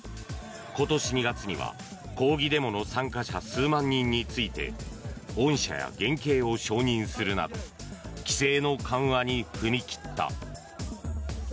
今年２月には、抗議デモの参加者数万人について恩赦や減刑を承認するなど規制の緩和に踏み切った。